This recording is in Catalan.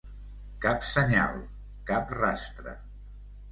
Cap senyal, cap rastre.